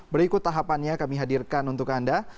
berikut tahapannya kami hadirkan untuk anda